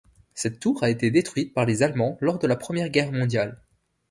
Cette tour a été détruite par les allemands lors de la Première Guerre mondiale.